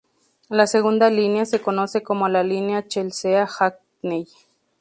La segunda línea se conoce como la línea Chelsea-Hackney.